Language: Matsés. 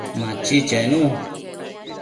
Machi chenu